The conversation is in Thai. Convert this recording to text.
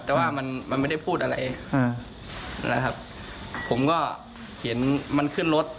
แต่ว่ามันมันไม่ได้พูดอะไรอ่านะครับผมก็เขียนมันขึ้นรถ